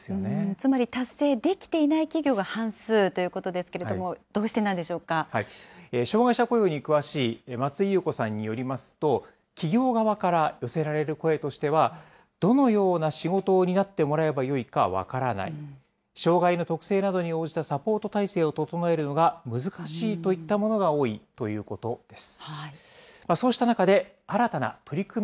つまり、達成できていない企業が半数ということですけれども、障害者雇用に詳しい松井優子さんによりますと、企業側から寄せられる声としては、どのような仕事を担ってもらえばよいか分からない、障害の特性などに応じたサポート体制を整えるのが難しいといったものが多いということです。